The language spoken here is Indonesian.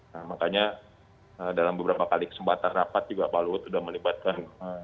nah makanya dalam beberapa kali kesempatan rapat juga pak luhut sudah melibatkan